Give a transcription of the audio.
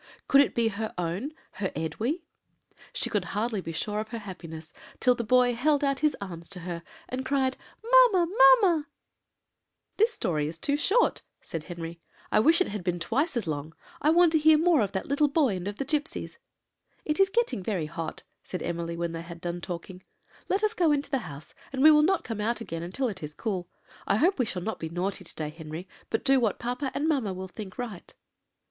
Could it be her own her Edwy? She could hardly be sure of her happiness till the boy held out his arms to her, and cried, 'Mamma! mamma!'" [Illustration: "Could it be her own her Edwy? She could hardly be sure of her happiness." Page 202.] "This story is too short," said Henry; "I wish it had been twice as long; I want to hear more of that little boy and of the gipsies." "It is getting very hot," said Emily, when they had done talking; "let us go into the house, and we will not come out again until it is cool. I hope we shall not be naughty to day, Henry, but do what papa and mamma will think right."